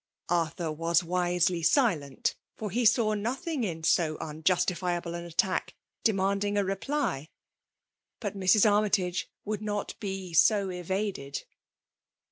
*' Arthur was wisely silent; for he saw nothing in so unjustifiable an attack demanding a reply. But Mrs. Armytage would not be so evaded.